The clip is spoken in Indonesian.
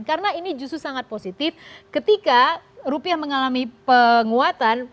karena ini justru sangat positif ketika rupiah mengalami penguatan